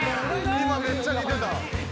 今めっちゃ似てた。